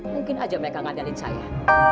mungkin saja mereka ngadalin saya